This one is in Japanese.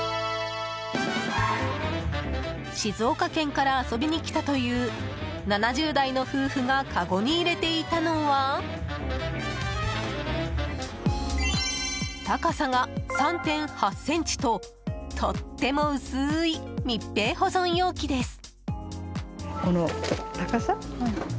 静岡県から遊びに来たという７０代の夫婦がかごに入れていたのは高さが３．８ｃｍととっても薄い密閉保存容器です。